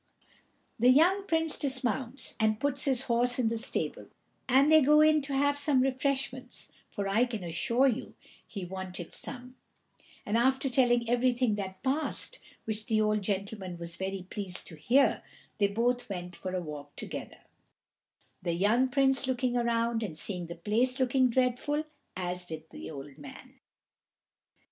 The young Prince dismounts, and puts his horse in the stable, and they go in to have some refreshments, for I can assure you he wanted some; and after telling everything that passed, which the old gentleman was very pleased to hear, they both went for a walk together, the young Prince looking around and seeing the place looking dreadful, as did the old man.